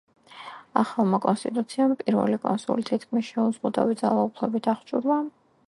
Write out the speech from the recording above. ახალმა კონსტიტუციამ პირველი კონსული თითქმის შეუზღუდავი ძალაუფლებით აღჭურვა.